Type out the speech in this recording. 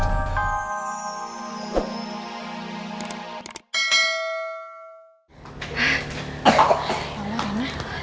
ya allah rena